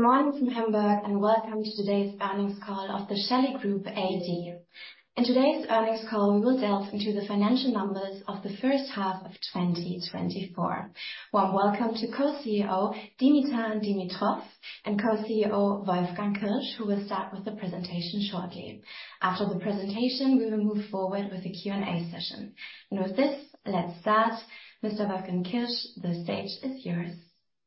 Good morning from Hamburg, and welcome to Today's Earnings Call of the Shelly Group AD. In today's earnings call, we will delve into the financial numbers of the first half of 2024. Warm welcome to Co-CEO Dimitar Dimitrov and Co-CEO Wolfgang Kirsch, who will start with the presentation shortly. After the presentation, we will move forward with the Q&A session. With this, let's start. Mr. Wolfgang Kirsch, the stage is yours.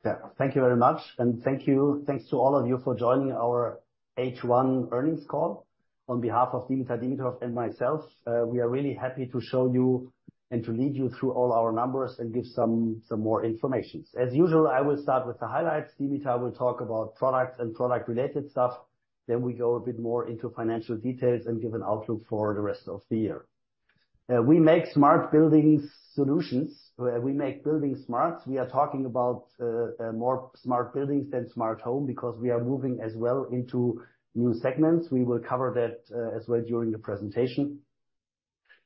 Yeah. Thank you very much, and thank you—thanks to all of you for joining our H1 earnings call. On behalf of Dimitar Dimitrov and myself, we are really happy to show you and to lead you through all our numbers and give some more information. As usual, I will start with the highlights. Dimitar will talk about products and product-related stuff. Then we go a bit more into financial details and give an outlook for the rest of the year. We make smart building solutions. We make building smart. We are talking about more smart buildings than smart home, because we are moving as well into new segments. We will cover that as well during the presentation.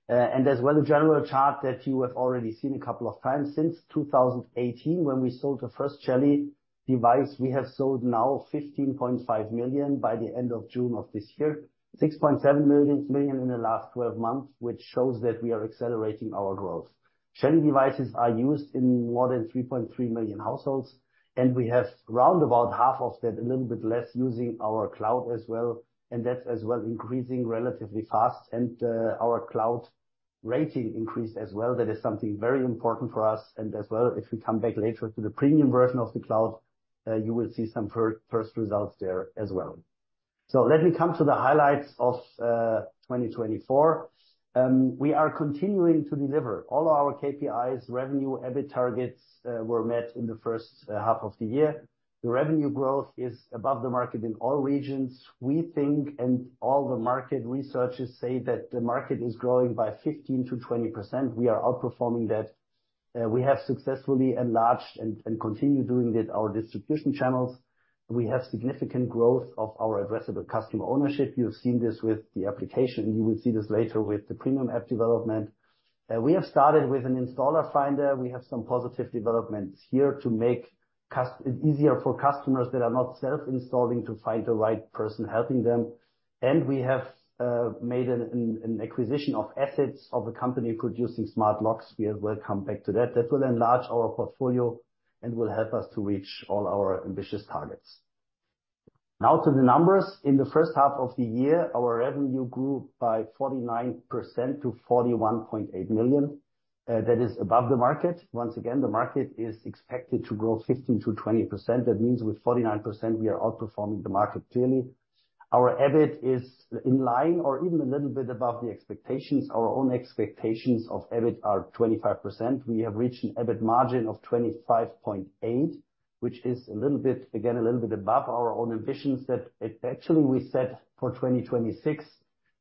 And as well, a general chart that you have already seen a couple of times. Since 2018, when we sold the first Shelly device, we have sold now 15.5 million by the end of June of this year. 6.7 million in the last 12 months, which shows that we are accelerating our growth. Shelly devices are used in more than 3.3 million households, and we have round about half of that, a little bit less, using our cloud as well, and that's as well increasing relatively fast. And, our cloud rating increased as well. That is something very important for us, and as well, if we come back later to the premium version of the cloud, you will see some first results there as well. So let me come to the highlights of 2024. We are continuing to deliver. All our KPIs, revenue, EBIT targets were met in the first half of the year. The revenue growth is above the market in all regions. We think, and all the market researchers say, that the market is growing by 15%-20%. We are outperforming that. We have successfully enlarged, and continue doing it, our distribution channels. We have significant growth of our addressable customer ownership. You have seen this with the application. You will see this later with the premium app development. We have started with an installer finder. We have some positive developments here to make easier for customers that are not self-installing to find the right person helping them. And we have made an acquisition of assets of a company producing smart locks. We will come back to that. That will enlarge our portfolio and will help us to reach all our ambitious targets. Now to the numbers. In the first half of the year, our revenue grew by 49% to 41.8 million. That is above the market. Once again, the market is expected to grow 15%-20%. That means with 49%, we are outperforming the market clearly. Our EBIT is in line or even a little bit above the expectations. Our own expectations of EBIT are 25%. We have reached an EBIT margin of 25.8%, which is a little bit, again, a little bit above our own ambitions that actually we set for 2026,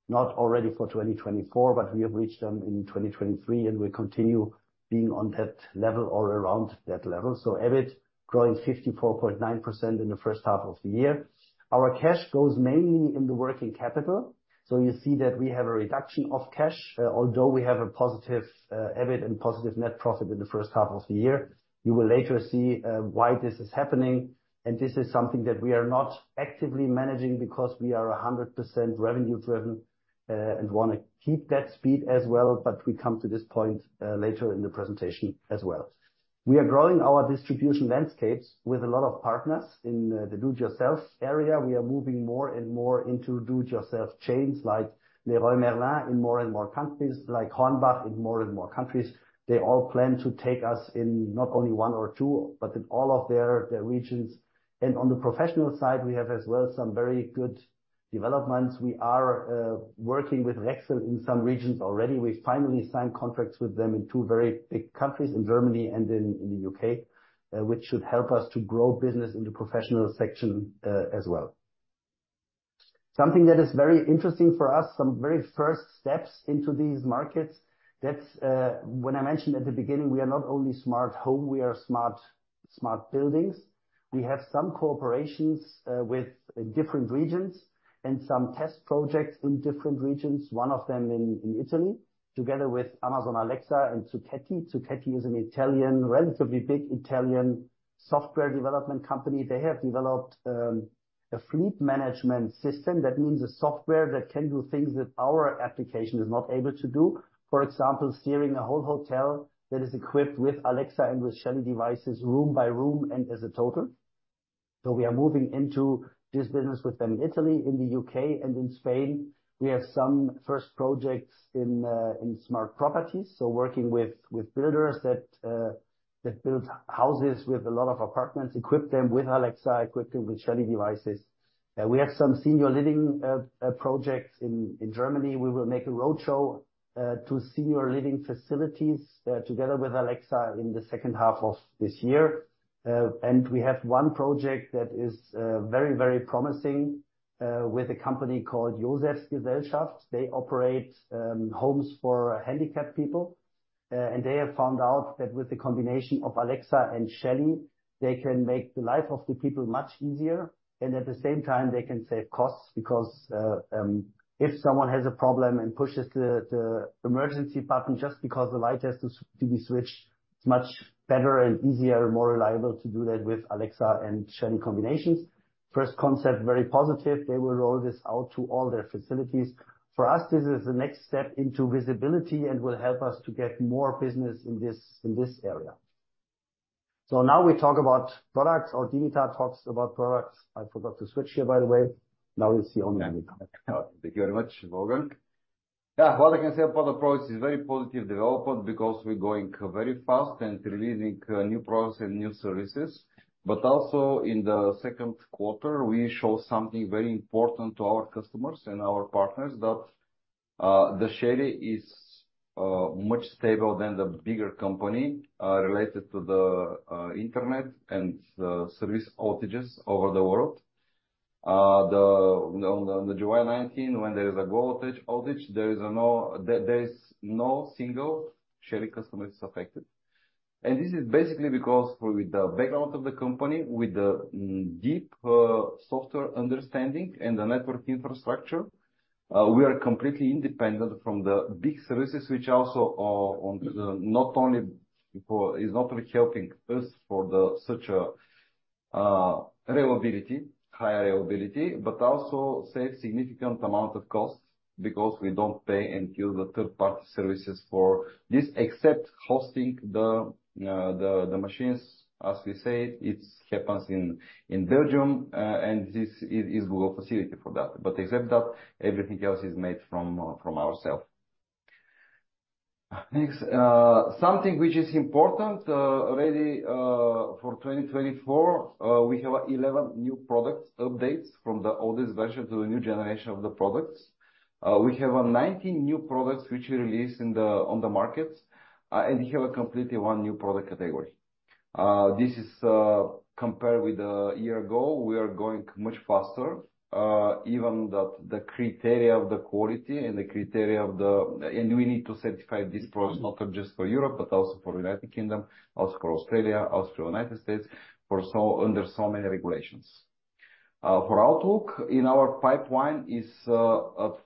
not already for 2024, but we have reached them in 2023, and we continue being on that level or around that level. So EBIT growing 54.9% in the first half of the year. Our cash goes mainly in the working capital, so you see that we have a reduction of cash, although we have a +ve EBIT and +ve net profit in the first half of the year. You will later see why this is happening, and this is something that we are not actively managing, because we are 100% revenue-driven, and wanna keep that speed as well, but we come to this point later in the presentation as well. We are growing our distribution landscapes with a lot of partners. In the do-it-yourself area, we are moving more and more into do-it-yourself chains, like Leroy Merlin in more and more countries, like Hornbach in more and more countries. They all plan to take us in not only one or two, but in all of their regions. On the professional side, we have as well some very good developments. We are working with Rexel in some regions already. We finally signed contracts with them in two very big countries, in Germany and in the U.K., which should help us to grow business in the professional section, as well. Something that is very interesting for us, some very first steps into these markets, that's when I mentioned at the beginning, we are not only smart home, we are smart, smart buildings. We have some cooperations with in different regions and some test projects in different regions. One of them in Italy, together with Amazon Alexa and Zucchetti. Zucchetti is a relatively big Italian software development company. They have developed a fleet management system. That means a software that can do things that our application is not able to do. For example, steering a whole hotel that is equipped with Alexa and with Shelly devices, room by room and as a total. So we are moving into this business with them in Italy, in the U.K., and in Spain. We have some first projects in smart properties, so working with builders that build houses with a lot of apartments, equip them with Alexa, equip them with Shelly devices. We have some senior living projects in Germany. We will make a roadshow to senior living facilities together with Alexa, in the second half of this year. And we have one project that is very, very promising with a company called Josefs-Gesellschaft. They operate homes for handicapped people, and they have found out that with the combination of Alexa and Shelly, they can make the life of the people much easier, and at the same time, they can save costs, because if someone has a problem and pushes the emergency button just because the light has to be switched on. It's much better and easier, more reliable to do that with Alexa and Shelly combinations. First concept, very positive. They will roll this out to all their facilities. For us, this is the next step into visibility and will help us to get more business in this area. So now we talk about products, or Dimitar talks about products. I forgot to switch here, by the way. Now it's you on here. Thank you very much, Wolfgang. Yeah, what I can say about the products is very positive development because we're going very fast and releasing new products and new services. But also in the second quarter, we show something very important to our customers and our partners, that the Shelly is much stable than the bigger company related to the internet and the service outages over the world. On July 19, when there is a global outage, there is no single Shelly customer affected. This is basically because with the background of the company, with the deep software understanding and the network infrastructure, we are completely independent from the big services, which also not only is helping us for such a reliability, high availability, but also save significant amount of costs because we don't pay into the third-party services for this, except hosting the machines. As we say, it happens in Belgium, and this is Google facility for that. But except that, everything else is made from ourselves. Next, something which is important already for 2024, we have 11 new products updates from the oldest version to the new generation of the products. We have 19 new products which we release on the markets, and we have a completely one new product category. This is compared with a year ago, we are going much faster, even that the criteria of the quality and the criteria of the. We need to certify this product not just for Europe, but also for United Kingdom, also for Australia, also United States, under so many regulations. For outlook, in our pipeline is 40-60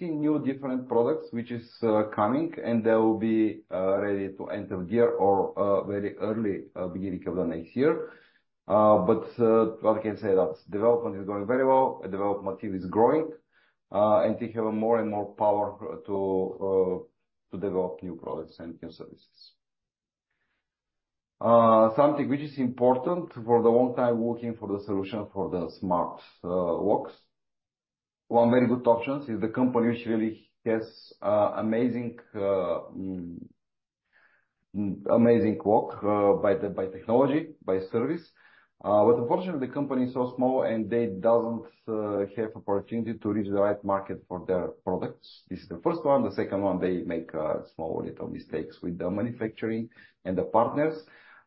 new different products, which is coming, and they will be ready to end of the year or very early beginning of the next year. But what I can say that development is going very well, the development team is growing, and they have more and more power to develop new products and new services. Something which is important for the long time working for the solution for the smart locks. One very good option is the company which really has amazing work by technology, by service. But unfortunately, the company is so small and they doesn't have opportunity to reach the right market for their products. This is the first one. The second one, they make small little mistakes with the manufacturing and the partners,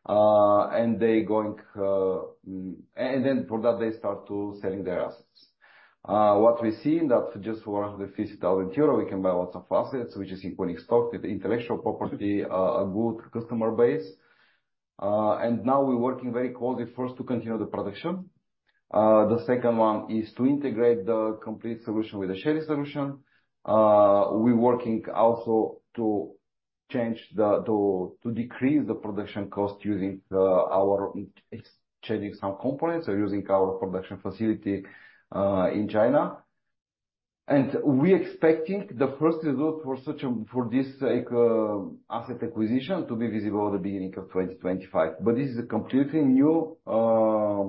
and they going... And then for that, they start to selling their assets. What we're seeing that just for 50,000 euro, we can buy lots of assets, which is including stock, the intellectual property, a good customer base. And now we're working very closely, first, to continue the production. The second one is to integrate the complete solution with the Shelly solution. We working also to decrease the production cost using our exchanging some components or using our production facility in China. And we expecting the first result for this asset acquisition to be visible at the beginning of 2025. But this is a completely new, how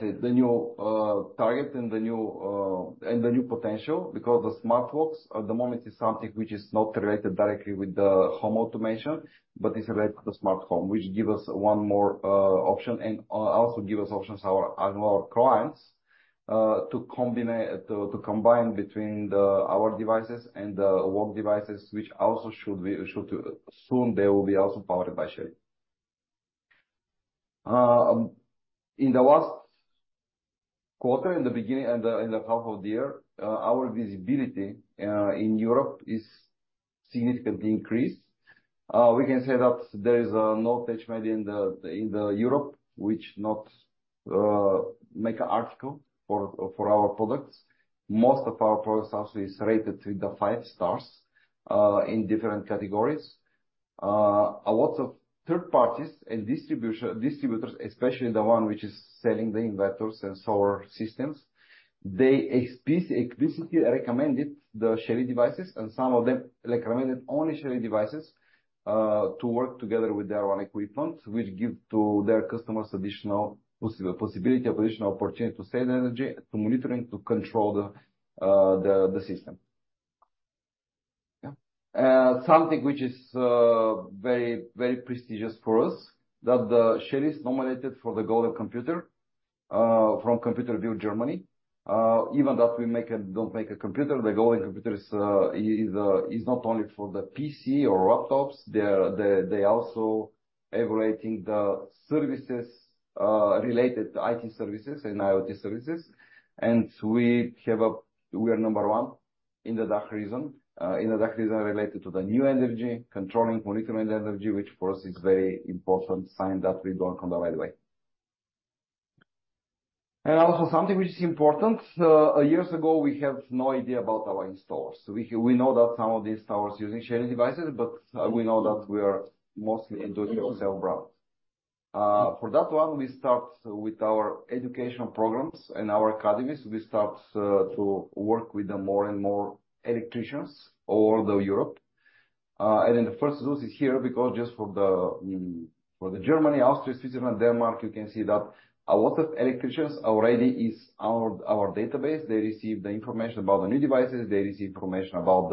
say, the new target and the new potential, because the LOQED at the moment is something which is not related directly with the home automation, but it's related to the smartphone, which give us one more option and also give us options on our clients to combinate- to, to combine between the- our devices and the LOQED devices, which also should be, should soon they will be also powered by Shelly. In the last quarter, in the beginning and the half of the year, our visibility in Europe is significantly increased. We can say that there is no tech media in the Europe which not make article for our products. Most of our products actually is rated with the five stars in different categories. A lot of third parties and distributors, especially the ones which are selling the inverters and solar systems, they explicitly recommended the Shelly devices, and some of them recommended only Shelly devices to work together with their own equipment, which give to their customers additional possibility or additional opportunity to save the energy, to monitor, to control the the system. Yeah. Something which is very, very prestigious for us, that the Shelly is nominated for the Golden Computer from Computer BILD Germany. Even that we don't make a computer, the Golden Computer is not only for the PC or laptops, they also evaluating the services related to IT services and IoT services. We are number one in the DACH region in the DACH region related to the new energy, controlling, monitoring the energy, which for us is very important sign that we going on the right way. Also something which is important, years ago, we have no idea about our installers. We know that some of the installers using Shelly devices, but we know that we are mostly introducing our brands. For that one, we start with our educational programs and our academies. We start to work with the more and more electricians all over Europe. Then the first results is here, because just for the Germany, Austria, Switzerland, Denmark, you can see that a lot of electricians already is our database. They receive the information about the new devices. They receive information about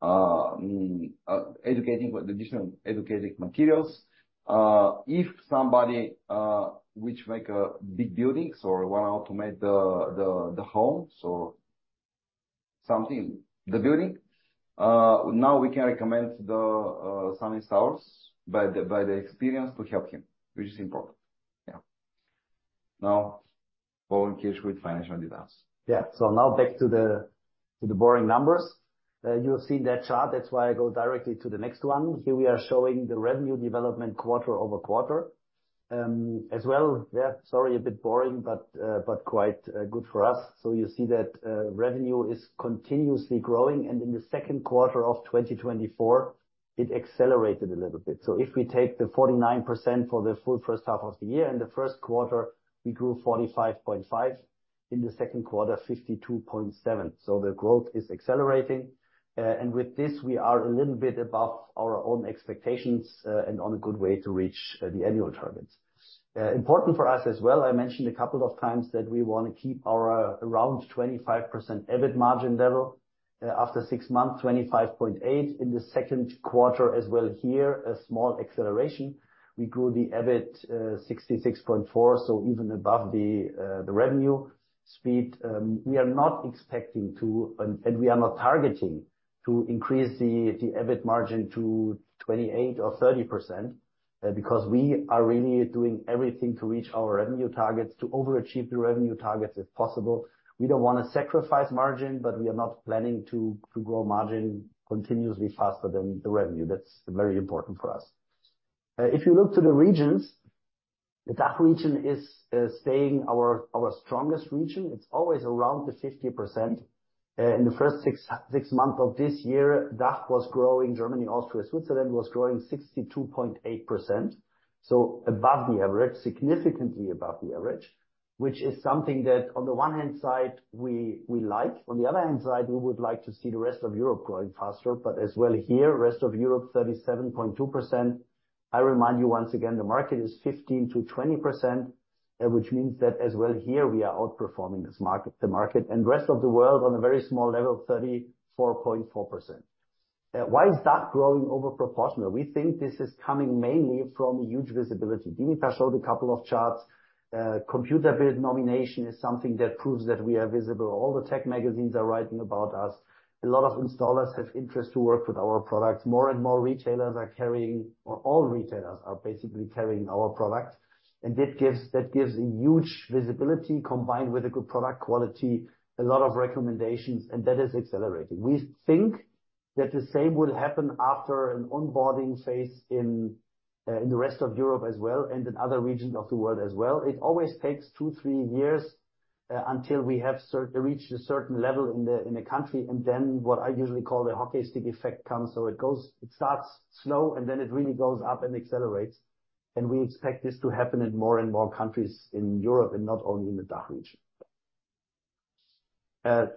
the education with additional educational materials. If somebody which make big buildings or want to automate the homes or something, the building, now we can recommend some installers by the experience to help him, which is important. Yeah. Now, boring case with financial details. Yeah. So now back to the, to the boring numbers. You have seen that chart, that's why I go directly to the next one. Here we are showing the revenue development quarter-over-quarter. As well, yeah, sorry, a bit boring, but, but quite good for us. So you see that, revenue is continuously growing, and in the second quarter of 2024, it accelerated a little bit. So if we take the 49% for the full first half of the year, in the first quarter, we grew 45.5%, in the second quarter, 52.7%. So the growth is accelerating. And with this, we are a little bit above our own expectations, and on a good way to reach the annual targets. Important for us as well, I mentioned a couple of times that we want to keep our around 25% EBIT margin level. After six months, 25.8%. In the second quarter as well here, a small acceleration. We grew the EBIT 66.4%, so even above the the revenue speed. We are not expecting to, and we are not targeting to increase the the EBIT margin to 28% or 30%, because we are really doing everything to reach our revenue targets, to overachieve the revenue targets, if possible. We don't wanna sacrifice margin, but we are not planning to grow margin continuously faster than the revenue. That's very important for us. If you look to the regions, the DACH region is staying our our strongest region. It's always around the 50%. In the first six, six months of this year, DACH was growing, Germany, Austria, Switzerland, was growing 62.8%, so above the average, significantly above the average, which is something that on the one hand side, we, we like. On the other hand side, we would like to see the rest of Europe growing faster, but as well here, rest of Europe, 37.2%. I remind you once again, the market is 15%-20%, which means that as well here we are outperforming this market-- the market, and rest of the world on a very small level, 34.4%. Why is that growing over proportional? We think this is coming mainly from huge visibility. Dimitar showed a couple of charts. Computer BILD nomination is something that proves that we are visible. All the tech magazines are writing about us. A lot of installers have interest to work with our products. More and more retailers are carrying, or all retailers are basically carrying our products. And that gives, that gives a huge visibility, combined with a good product quality, a lot of recommendations, and that is accelerating. We think that the same will happen after an onboarding phase in, in the rest of Europe as well, and in other regions of the world as well. It always takes two, three years, until we have reached a certain level in the, in the country, and then what I usually call the hockey stick effect comes. So it goes... It starts slow, and then it really goes up and accelerates. And we expect this to happen in more and more countries in Europe, and not only in the DACH region.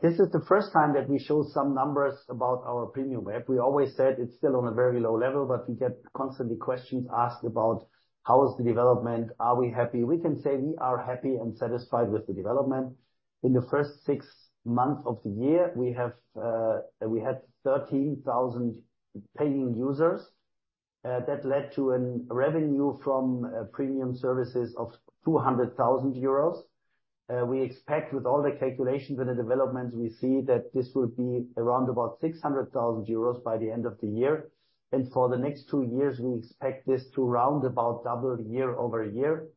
This is the first time that we show some numbers about our premium app. We always said it's still on a very low level, but we get constantly questions asked about how is the development? Are we happy? We can say we are happy and satisfied with the development. In the first six months of the year, we have, we had 13,000 paying users, that led to a revenue from premium services of 200,000 euros. We expect with all the calculations and the developments, we see that this will be around about 600,000 euros by the end of the year. And for the next two years, we expect this to round about double year over year.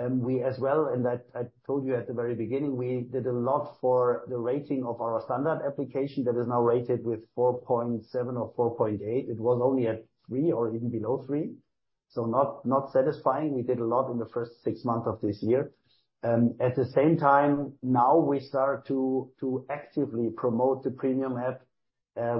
We as well, and I told you at the very beginning, we did a lot for the rating of our standard application, that is now rated with 4.7 or 4.8. It was only at three or even below three, so not satisfying. We did a lot in the first six months of this year. At the same time, now we start to actively promote the premium app.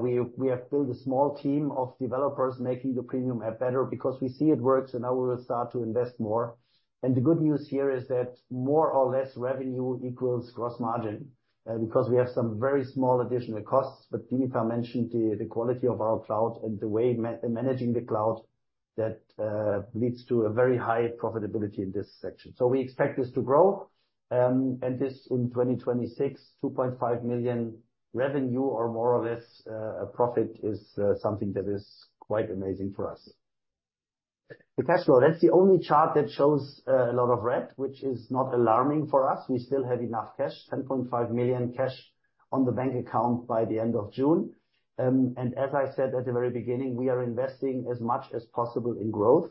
We have built a small team of developers making the premium app better, because we see it works, and now we will start to invest more. And the good news here is that more or less revenue equals gross margin, because we have some very small additional costs. But Dimitar mentioned the quality of our cloud and the way managing the cloud, that leads to a very high profitability in this section. So we expect this to grow. And this in 2026, 2.5 million revenue or more or less, profit is something that is quite amazing for us. The cash flow, that's the only chart that shows a lot of red, which is not alarming for us. We still have enough cash, 10.5 million cash on the bank account by the end of June. And as I said at the very beginning, we are investing as much as possible in growth.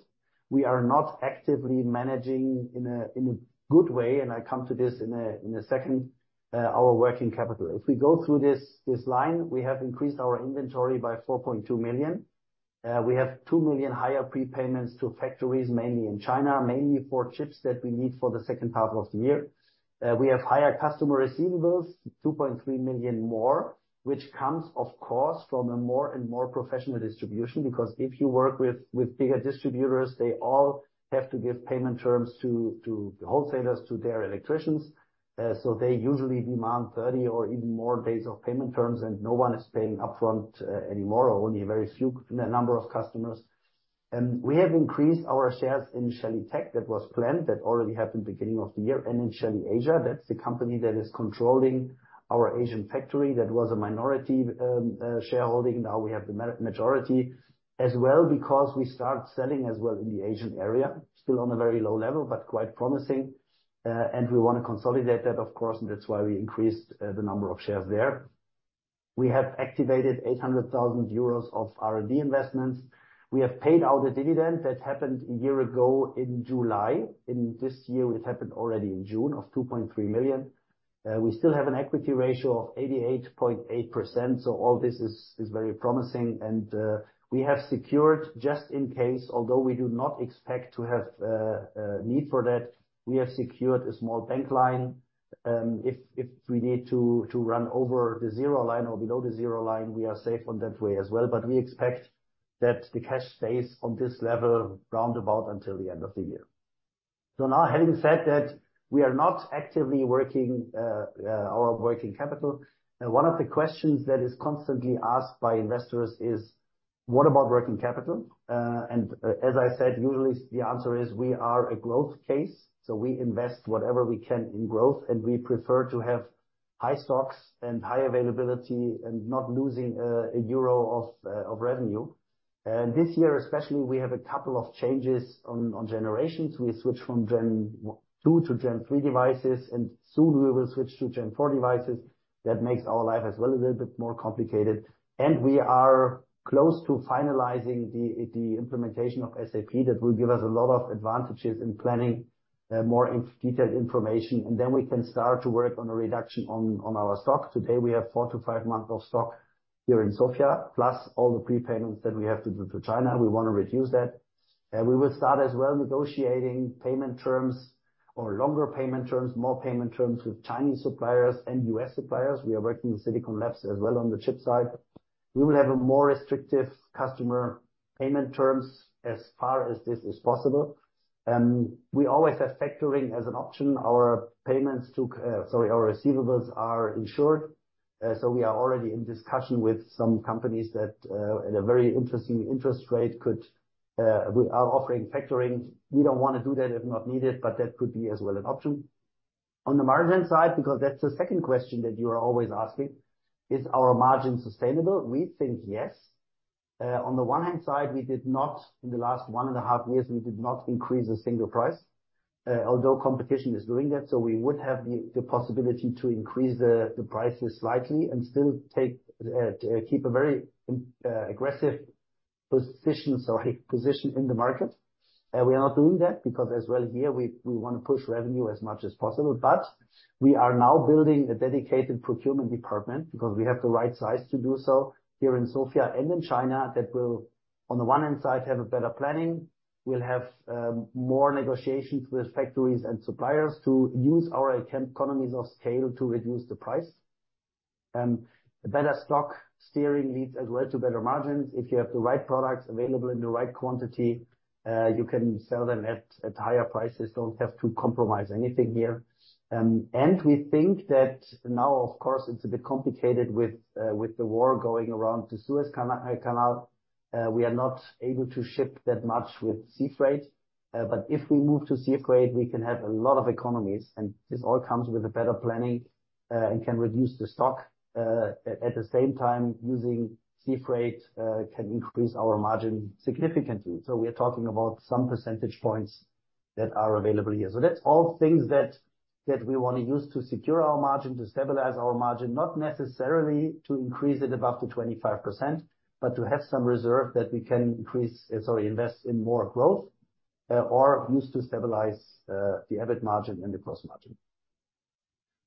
We are not actively managing in a good way, and I come to this in a second, our working capital. If we go through this, this line, we have increased our inventory by 4.2 million. We have 2 million higher prepayments to factories, mainly in China, mainly for chips that we need for the second half of the year. We have higher customer receivables, 2.3 million more, which comes, of course, from a more and more professional distribution, because if you work with, with bigger distributors, they all have to give payment terms to, to wholesalers, to their electricians. So they usually demand 30 or even more days of payment terms, and no one is paying upfront, anymore, or only a very few number of customers. And we have increased our shares in Shelly Tech. That was planned. That already happened beginning of the year. And in Shelly Asia, that's the company that is controlling our Asian factory. That was a minority shareholding. Now, we have the majority as well, because we start selling as well in Asia. Still on a very low level, but quite promising, and we want to consolidate that, of course, and that's why we increased the number of shares there. We have activated 800,000 euros of R&D investments. We have paid out a dividend. That happened a year ago in July. In this year, it happened already in June, of 2.3 million. We still have an equity ratio of 88.8%, so all this is, is very promising. And, we have secured, just in case, although we do not expect to have need for that, we have secured a small bank line. If we need to run over the zero line or below the zero line, we are safe on that way as well. But we expect that the cash stays on this level round about until the end of the year. So now, having said that, we are not actively working our working capital. And one of the questions that is constantly asked by investors is: what about working capital? And as I said, usually the answer is we are a growth case, so we invest whatever we can in growth, and we prefer to have high stocks and high availability and not losing a euro of revenue. And this year, especially, we have a couple of changes on generations. We switch from 2nd-gen to 3rd-gen devices, and soon we will switch to 4th-gen devices. That makes our life as well a little bit more complicated. We are close to finalizing the implementation of SAP. That will give us a lot of advantages in planning, more detailed information, and then we can start to work on a reduction on our stock. Today, we have four to five months of stock here in Sofia, plus all the prepayments that we have to do to China. We want to reduce that. We will start as well, negotiating payment terms or longer payment terms, more payment terms with Chinese suppliers and U.S. suppliers. We are working with Silicon Labs as well on the chip side. We will have more restrictive customer payment terms as far as this is possible. We always have factoring as an option. Sorry, our receivables are insured, so we are already in discussion with some companies that at a very interesting interest rate are offering factoring. We don't want to do that if not needed, but that could be as well an option. On the margin side, because that's the second question that you are always asking: is our margin sustainable? We think yes. On the one hand side, in the last one and a half years, we did not increase a single price, although competition is doing that, so we would have the possibility to increase the prices slightly and still keep a very aggressive position in the market. Sorry. And we are not doing that because as well here, we want to push revenue as much as possible. But we are now building a dedicated procurement department, because we have the right size to do so here in Sofia and in China. That will, on the one hand side, have a better planning. We'll have more negotiations with factories and suppliers to use our economies of scale to reduce the price. A better stock steering leads as well to better margins. If you have the right products available in the right quantity, you can sell them at higher prices, don't have to compromise anything here. And we think that now, of course, it's a bit complicated with the war going around the Suez Canal. We are not able to ship that much with sea freight, but if we move to sea freight, we can have a lot of economies, and this all comes with a better planning, and can reduce the stock. At the same time, using sea freight, can increase our margin significantly. So we are talking about some % points that are available here. So that's all things that we want to use to secure our margin, to stabilize our margin, not necessarily to increase it above the 25%, but to have some reserve that we can increase, sorry, invest in more growth, or use to stabilize, the EBIT margin and the gross margin.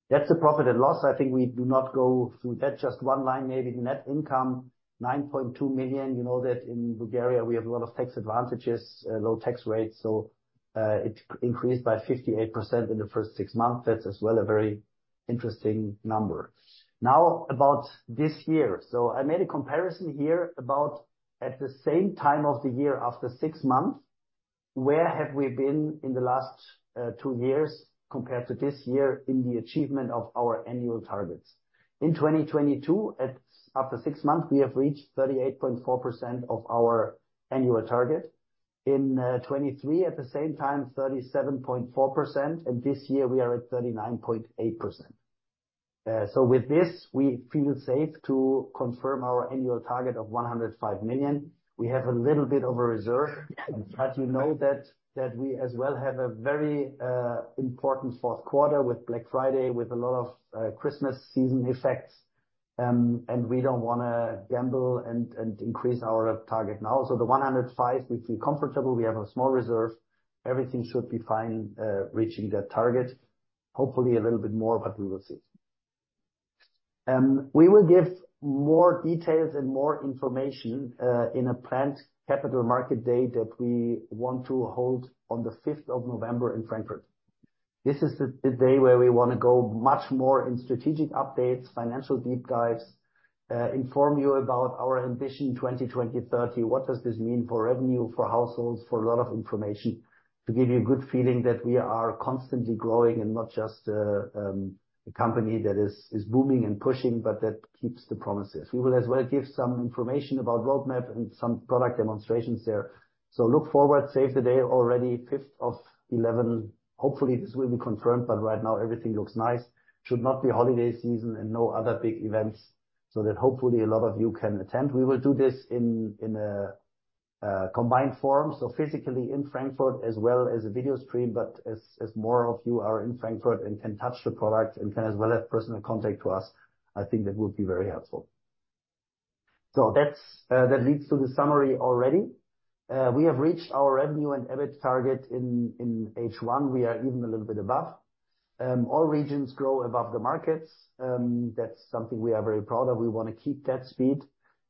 That's the profit and loss. I think we do not go through that. Just one line, maybe. Net income, 9.2 million. You know that in Bulgaria, we have a lot of tax advantages, low tax rates, so it increased by 58% in the first six months. That's as well a very interesting number. Now, about this year. So I made a comparison here about at the same time of the year, after six months, where have we been in the last two years compared to this year in the achievement of our annual targets? In 2022, after six months, we have reached 38.4% of our annual target. In 2023, at the same time, 37.4%, and this year we are at 39.8%. So with this, we feel safe to confirm our annual target of 105 million. We have a little bit of a reserve, but you know that we as well have a very important fourth quarter with Black Friday, with a lot of Christmas season effects. And we don't wanna gamble and increase our target now. So the 105, we feel comfortable. We have a small reserve. Everything should be fine reaching that target. Hopefully, a little bit more, but we will see. We will give more details and more information in a planned Capital Markets Day that we want to hold on the fifth of November in Frankfurt. This is the day where we want to go much more in strategic updates, financial deep dives, inform you about our ambition, 2020-2030. What does this mean for revenue, for households, for a lot of information, to give you a good feeling that we are constantly growing and not just a company that is booming and pushing, but that keeps the promises. We will as well give some information about roadmap and some product demonstrations there. So look forward, save the day already, fifth of eleven. Hopefully, this will be confirmed, but right now everything looks nice. Should not be holiday season and no other big events, so that hopefully a lot of you can attend. We will do this in a combined form, so physically in Frankfurt as well as a video stream, but as more of you are in Frankfurt and can touch the product and can as well have personal contact to us, I think that would be very helpful. So that leads to the summary already. We have reached our revenue and EBIT target in H1. We are even a little bit above. All regions grow above the markets. That's something we are very proud of. We want to keep that speed.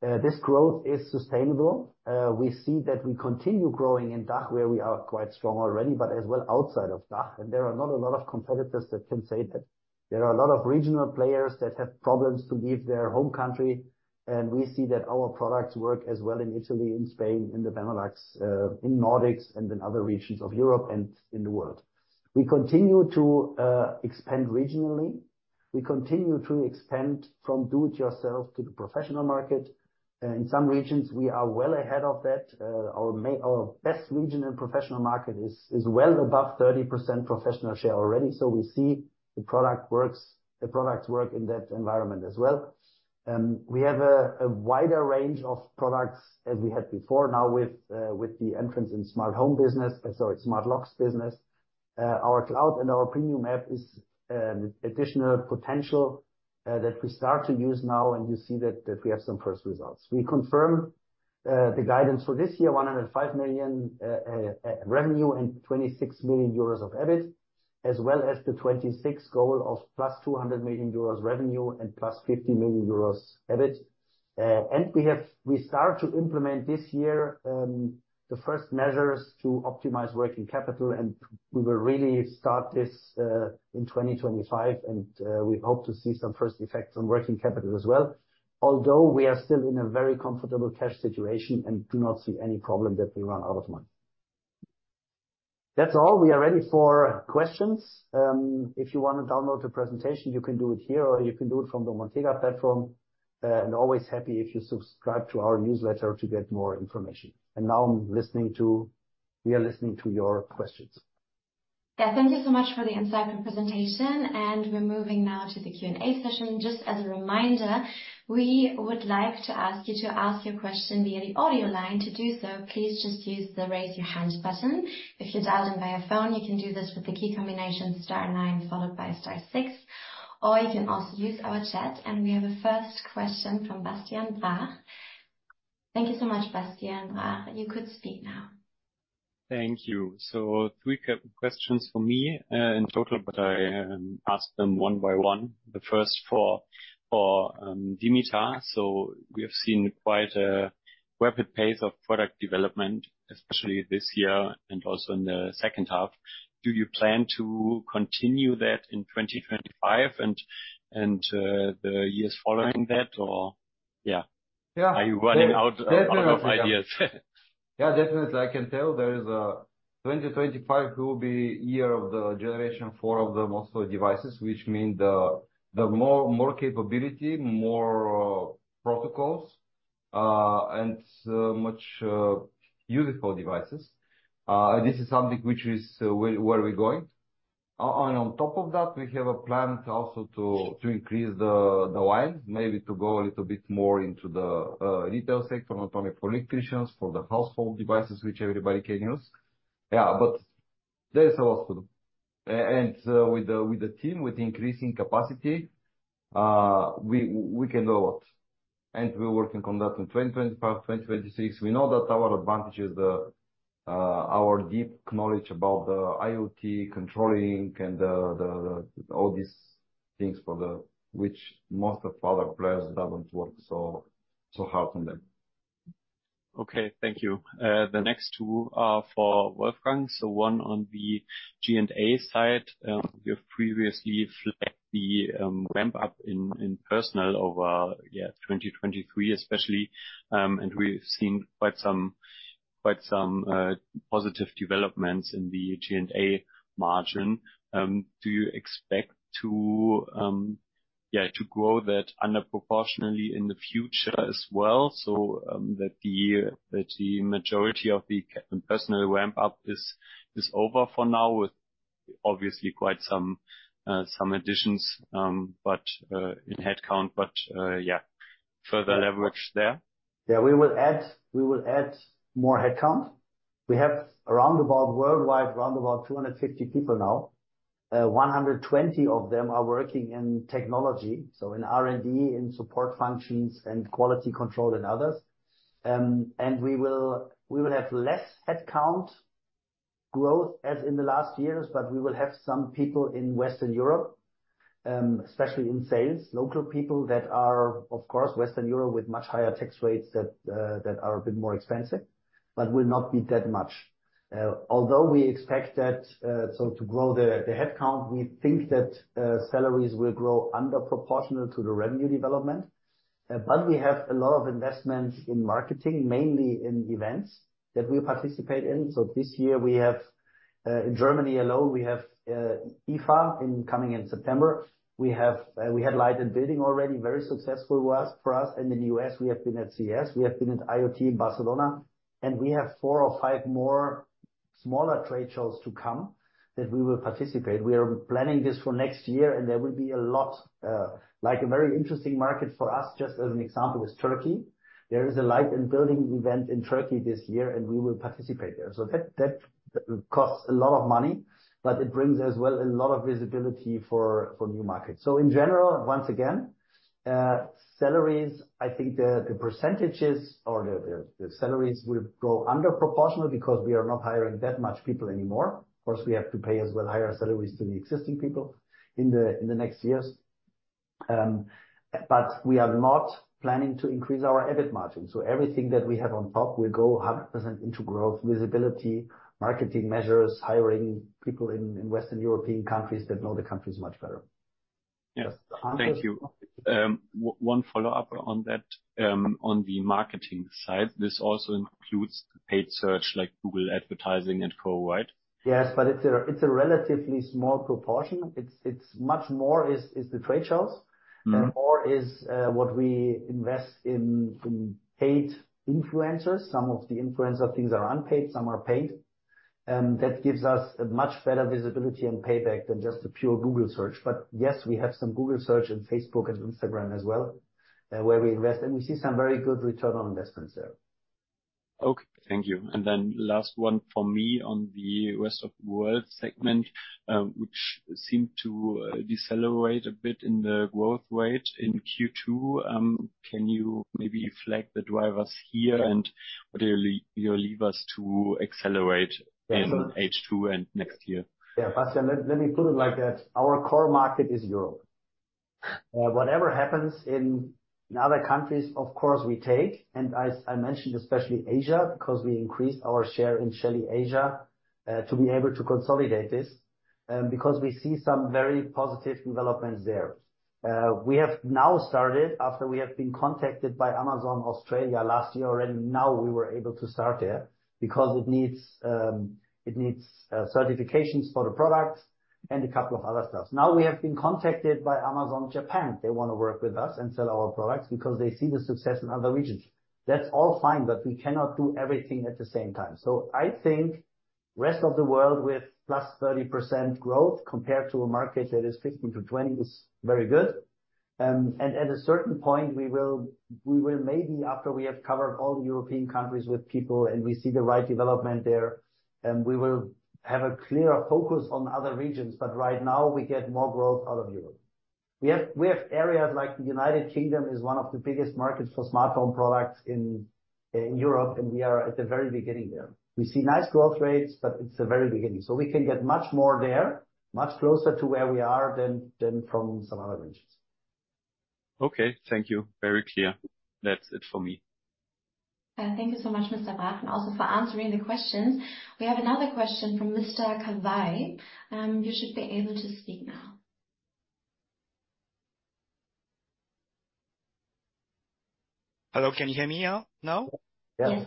This growth is sustainable. We see that we continue growing in DACH, where we are quite strong already, but as well outside of DACH. And there are not a lot of competitors that can say that. There are a lot of regional players that have problems to leave their home country, and we see that our products work as well in Italy, in Spain, in the Benelux, in Nordics and in other regions of Europe and in the world. We continue to expand regionally. We continue to expand from do-it-yourself to the professional market. In some regions, we are well ahead of that. Our best region in professional market is well above 30% professional share already. So we see the product works, the products work in that environment as well. We have a wider range of products as we had before, now with the entrance in Smart Home business, sorry, Smart Locks business. Our cloud and our premium app is additional potential that we start to use now, and you see that we have some first results. We confirm the guidance for this year, 105 million revenue and 26 million euros of EBIT, as well as the 2026 goal of +200 million euros revenue and +50 million euros EBIT. And we start to implement this year, the first measures to optimize working capital, and we will really start this, in 2025, and, we hope to see some first effects on working capital as well. Although we are still in a very comfortable cash situation and do not see any problem that we run out of money. That's all. We are ready for questions. If you want to download the presentation, you can do it here, or you can do it from the Montega platform. And always happy if you subscribe to our newsletter to get more information. And now I'm listening to... We are listening to your questions. Yeah, thank you so much for the insight and presentation, and we're moving now to the Q&A session. Just as a reminder, we would like to ask you to ask your question via the audio line. To do so, please just use the raise your hand button. If you're dialed in via phone, you can do this with the key combination star nine, followed by star six, or you can also use our chat. And we have a first question from Bastian Brach. Thank you so much, Bastian Brach. You could speak now. Thank you. Three questions for me in total, but I ask them one by one. The first for Dimitar. We have seen quite a rapid pace of product development, especially this year and also in the second half. Do you plan to continue that in 2025 and the years following that, or yeah- Yeah. Are you running out of ideas? Yeah, definitely. I can tell there is a 2025 will be year of the generation four of the most of the devices, which mean the more capability, more protocols and much useful devices. This is something which is where we're going. And on top of that, we have a plan to also increase the line, maybe to go a little bit more into the retail sector, not only for electricians, for the household devices, which everybody can use. Yeah, but there is a lot to do. And with the team, with increasing capacity, we can do a lot. And we're working on that in 2026. We know that our advantage is our deep knowledge about the IoT controlling and all these things for the... While most other players don't work so hard on them. Okay, thank you. The next two are for Wolfgang. So one on the G&A side. You have previously flagged the ramp up in personnel over 2023, especially, and we've seen quite some positive developments in the G&A margin. Do you expect to grow that under proportionally in the future as well? So, that the majority of the personnel ramp up is over for now, with obviously quite some additions in headcount, but further leverage there. Yeah, we will add, we will add more headcount. We have around about worldwide, around about 250 people now. 120 of them are working in technology, so in R&D, in support functions and quality control and others. And we will have less headcount growth as in the last years, but we will have some people in Western Europe, especially in sales. Local people that are, of course, Western Europe with much higher tax rates that are a bit more expensive, but will not be that much. Although we expect that, so to grow the headcount, we think that salaries will grow under proportional to the revenue development. But we have a lot of investments in marketing, mainly in events that we participate in. So this year we have, in Germany alone, we have, IFA incoming in September. We have, we had Light + Building already, very successful for us. And in the U.S., we have been at CES, we have been at IoT in Barcelona, and we have four or five more smaller trade shows to come that we will participate. We are planning this for next year, and there will be a lot... Like, a very interesting market for us, just as an example, is Turkey. There is a Light + Building event in Turkey this year, and we will participate there. So that, that costs a lot of money, but it brings as well a lot of visibility for, for new markets. In general, once again, salaries, I think the percentages or the salaries will grow under proportional because we are not hiring that many people anymore. Of course, we have to pay as well higher salaries to the existing people in the next years. But we are not planning to increase our EBIT margin, so everything that we have on top will go 100% into growth, visibility, marketing measures, hiring people in Western European countries that know the countries much better. Yes. Thank you. One follow-up on that. On the marketing side, this also includes paid search, like Google advertising and co, right? Yes, but it's a relatively small proportion. It's much more the trade shows. Mm-hmm. More is what we invest in, in paid influencers. Some of the influencer things are unpaid, some are paid. That gives us a much better visibility and payback than just a pure Google Search. But yes, we have some Google Search and Facebook and Instagram as well, where we invest, and we see some very good return on investments there. Okay, thank you. And then last one from me on the Rest of World segment, which seemed to decelerate a bit in the growth rate in Q2. Can you maybe flag the drivers here and what will you, you leave us to accelerate in H2 and next year? Yeah, Bastian, let me put it like that: Our core market is Europe. Whatever happens in other countries, of course, we take, and as I mentioned, especially Asia, because we increased our share in Shelly Asia, to be able to consolidate this, because we see some very positive developments there. We have now started, after we have been contacted by Amazon Australia last year, and now we were able to start there because it needs certifications for the products and a couple of other stuff. Now, we have been contacted by Amazon Japan. They want to work with us and sell our products because they see the success in other regions. That's all fine, but we cannot do everything at the same time. So I think Rest of the World with +30% growth compared to a market that is 15%-20% is very good. And at a certain point, we will, we will maybe after we have covered all the European countries with people and we see the right development there, we will have a clearer focus on other regions. But right now, we get more growth out of Europe. We have, we have areas like the United Kingdom is one of the biggest markets for smart home products in, in Europe, and we are at the very beginning there. We see nice growth rates, but it's the very beginning. So we can get much more there, much closer to where we are than, than from some other regions. Okay, thank you. Very clear. That's it for me. Thank you so much, Mr. Brach, and also for answering the questions. We have another question from Mr. Kawai. You should be able to speak now. Hello, can you hear me now? Now? Yeah. Yeah.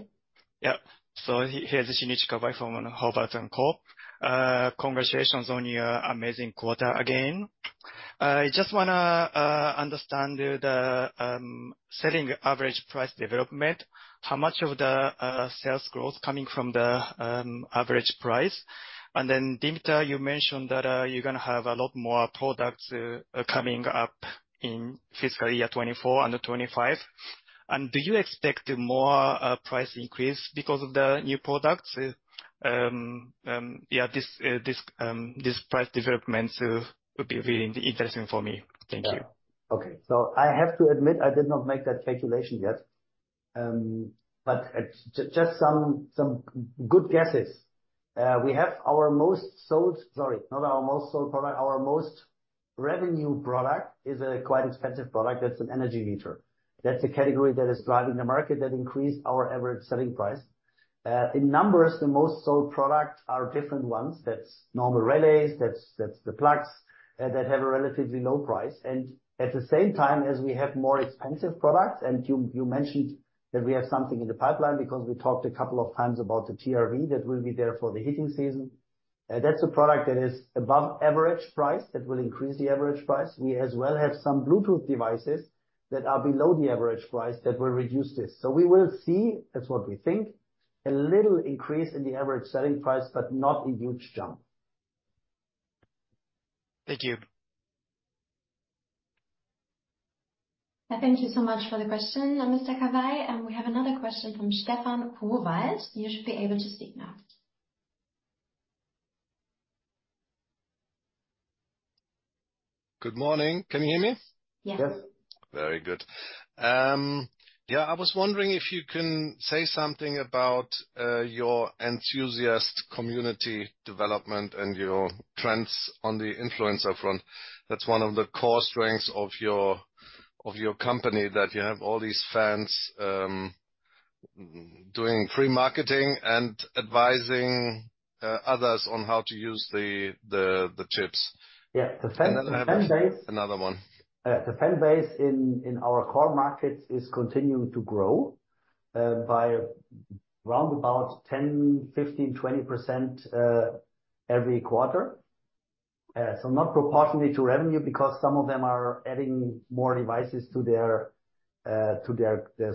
Yeah. So here's Shinichi Kawai from Howaldt & Co. Congratulations on your amazing quarter again. I just wanna understand the selling average price development. How much of the sales growth coming from the average price? And then, Dimitar, you mentioned that you're gonna have a lot more products coming up in fiscal year 2024 and 2025. And do you expect more price increase because of the new products? Yeah, this price developments will be really interesting for me. Thank you. Okay. So I have to admit, I did not make that calculation yet. But just some good guesses. We have our most sold... Sorry, not our most sold product, our most revenue product is a quite expensive product. That's an energy meter. That's a category that is driving the market, that increased our average selling price. In numbers, the most sold product are different ones. That's normal relays, that's the plugs, that have a relatively low price. And at the same time, as we have more expensive products, and you mentioned that we have something in the pipeline because we talked a couple of times about the TRV that will be there for the heating season. That's a product that is above average price, that will increase the average price. We as well have some Bluetooth devices that are below the average price that will reduce this. So we will see, that's what we think, a little increase in the average selling price, but not a huge jump. Thank you. Thank you so much for the question, Mr. Kawai. We have another question from Stefan Puwald. You should be able to speak now. Good morning. Can you hear me? Yes. Very good. Yeah, I was wondering if you can say something about your enthusiast community development and your trends on the influencer front. That's one of the core strengths of your company, that you have all these fans doing free marketing and advising others on how to use the chips. Yeah, the fan base- Another one. The fan base in our core markets is continuing to grow by around about 10, 15, 20% every quarter. So not proportionately to revenue, because some of them are adding more devices to their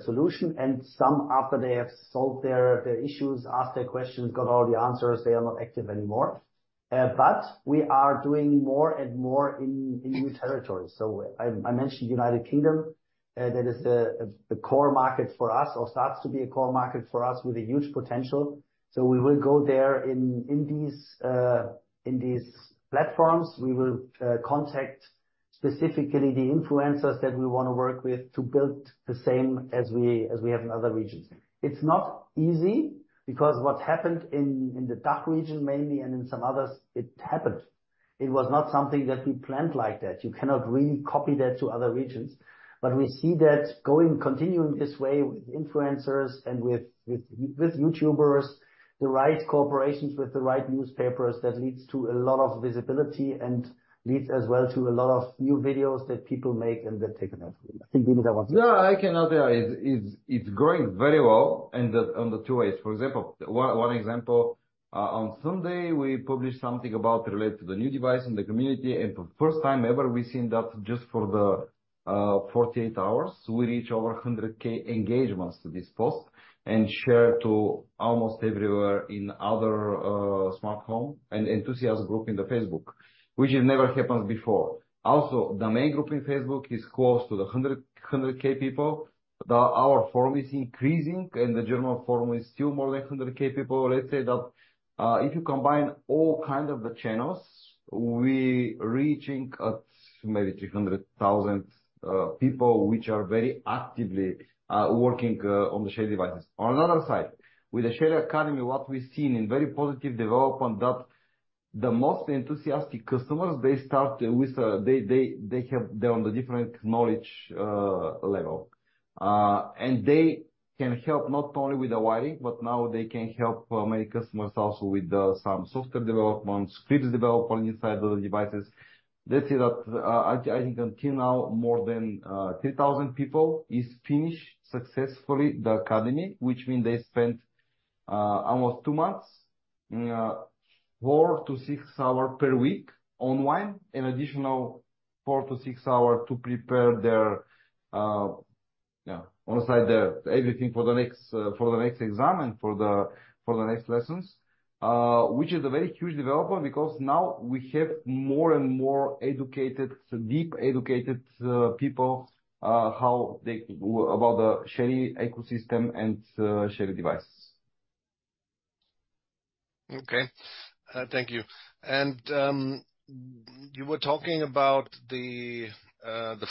solution, and some, after they have solved their issues, asked their questions, got all the answers, they are not active anymore. But we are doing more and more in new territories. So I mentioned United Kingdom. That is the core market for us or starts to be a core market for us with a huge potential. So we will go there in these platforms. We will contact specifically the influencers that we want to work with to build the same as we have in other regions. It's not easy, because what happened in the DACH region mainly and in some others, it happened. It was not something that we planned like that. You cannot really copy that to other regions. But we see that going... continuing this way with influencers and with YouTubers, the right corporations, with the right newspapers, that leads to a lot of visibility and leads as well to a lot of new videos that people make and that take off. I think Dimitar that was- Yeah, I can add there. It's growing very well in the two ways. For example, one example, on Sunday, we published something about related to the new device in the community, and for the first time ever, we seen that just for the 48 hours, we reach over 100K engagements to this post and share to almost everywhere in other smart home and enthusiast group in the Facebook, which it never happens before. Also, the main group in Facebook is close to the 100K people. Our forum is increasing, and the general forum is still more than 100K people. Let's say that if you combine all kind of the channels, we reaching at maybe 300,000 people, which are very actively working on the Shelly devices. On another side, with the Shelly Academy, what we've seen in very positive development, that the most enthusiastic customers, they start with, they have. They're on the different knowledge level. And they can help not only with the wiring, but now they can help many customers also with some software development, scripts development inside the devices. Let's say that, I think until now, more than 3,000 people is finished successfully the academy. Which mean they spent almost two months, 4-6 hours per week online, an additional 4-6 hours to prepare their on the side everything for the next exam and for the next lessons. Which is a very huge development, because now we have more and more educated, deeply educated people about the Shelly ecosystem and Shelly devices. Okay, thank you. And, you were talking about the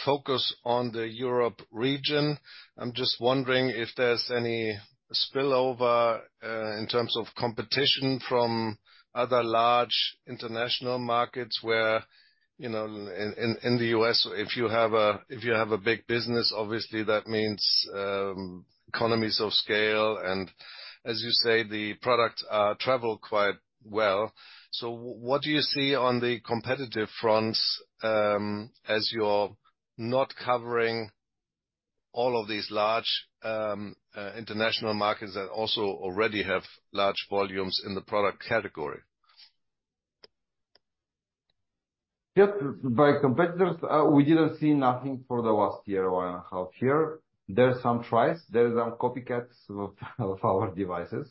focus on the Europe region. I'm just wondering if there's any spillover, in terms of competition from other large international markets where, you know, in the U.S., if you have a big business, obviously that means, economies of scale, and as you say, the products, travel quite well. So what do you see on the competitive fronts, as you're not covering all of these large, international markets that also already have large volumes in the product category? Yeah, by competitors, we didn't see nothing for the last year, one and a half year. There's some tries, there is some copycats of our devices,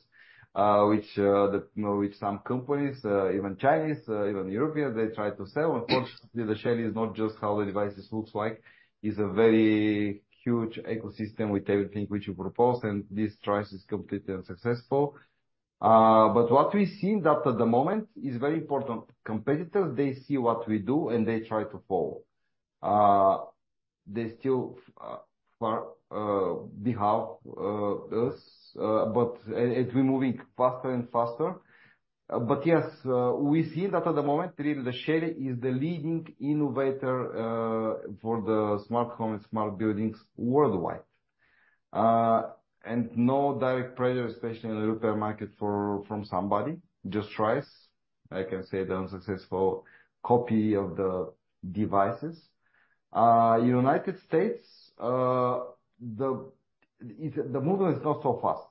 which some companies, even Chinese, even European, they try to sell. Unfortunately, the Shelly is not just how the devices looks like. It's a very huge ecosystem with everything which we propose, and this tries is completely unsuccessful. But what we've seen that at the moment is very important. Competitors, they see what we do, and they try to follow. They still far behind us, but as we're moving faster and faster. But yes, we see that at the moment, really, the Shelly is the leading innovator for the smart home and smart buildings worldwide. And no direct pressure, especially in the European market from somebody, just tries, I can say the unsuccessful copy of the devices. United States, the movement is not so fast.